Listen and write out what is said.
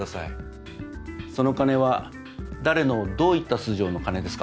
その金は誰のどういった素性の金ですか？